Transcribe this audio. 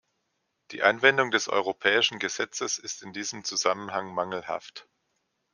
Die Anwendung des europäischen Gesetzes ist in diesem Zusammenhang mangelhaft.